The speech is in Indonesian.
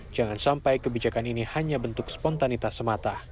jangan sampai kebijakan ini hanya bentuk spontanitas semata